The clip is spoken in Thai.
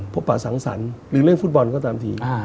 ปะสังสรรค์หรือเล่นฟุตบอลก็ตามที